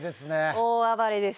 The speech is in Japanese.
大暴れです。